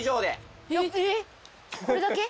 これだけ？